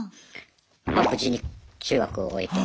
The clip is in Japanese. まあ無事に中学を終えて。